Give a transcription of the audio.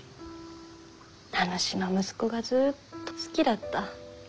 名主の息子がずっと好きだった。